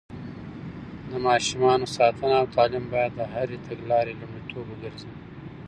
د ماشومانو ساتنه او تعليم بايد د هرې تګلارې لومړيتوب وګرځي.